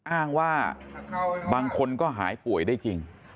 อ้างว่าบางคนก็หายป่วยได้จริง